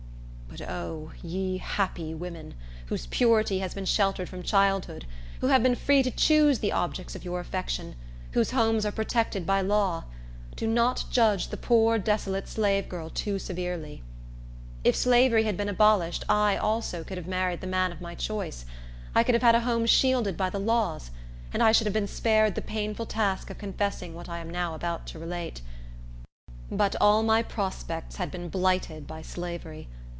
But, O, ye happy women, whose purity has been sheltered from childhood, who have been free to choose the objects of your affection, whose homes are protected by law, do not judge the poor desolate slave girl too severely! If slavery had been abolished, I, also, could have married the man of my choice; I could have had a home shielded by the laws; and I should have been spared the painful task of confessing what I am now about to relate; but all my prospects had been blighted by slavery.